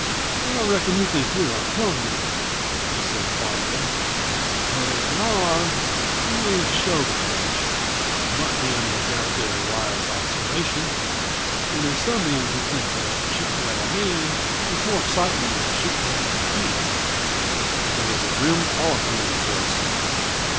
"I reckon you think you're a plum man," he said quietly. "But if you are, you ain't showed it much buttin' in with that there wise observation. An' there's some men who think that shootin' at a man is more excitin' than shootin' at a can." There was a grim quality in his voice now.